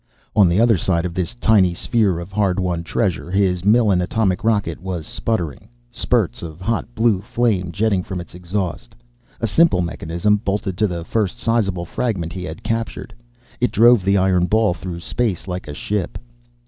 ] On the other side of this tiny sphere of hard won treasure, his Millen atomic rocket was sputtering, spurts of hot blue flame jetting from its exhaust. A simple mechanism, bolted to the first sizable fragment he had captured, it drove the iron ball through space like a ship.